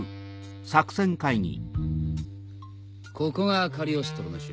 ここがカリオストロの城